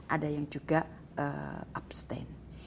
ada yang juga abstain